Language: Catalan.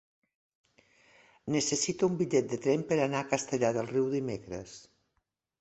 Necessito un bitllet de tren per anar a Castellar del Riu dimecres.